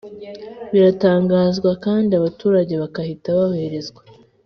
biratangazwa kandi abaturage bakahita boherezwa.